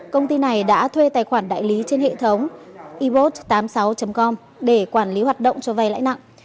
công ty này đã thuê tài khoản đại lý trên hệ thống ebot tám mươi sáu com để quản lý hoạt động cho vay lãi nặng